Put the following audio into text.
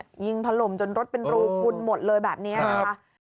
เออยิงพล่มจนรถเป็นรูกุ่นหมดเลยแบบนี้นะครับ